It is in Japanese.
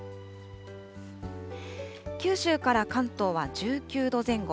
九州から関東は１９度前後。